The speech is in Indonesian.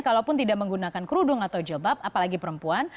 kalaupun tidak menggunakan kerudung atau jilbab apalagi perempuan